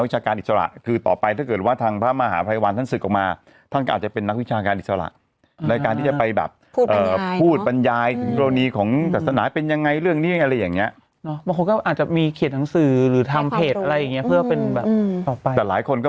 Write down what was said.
อาจจะมีเขตหนังสือหรือทำเพจอะไรอย่างเงี้ยเพื่อเป็นแบบออกไปแต่หลายคนก็